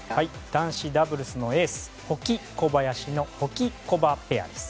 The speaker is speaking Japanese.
男子ダブルスのエース保木、小林のホキコバペアです。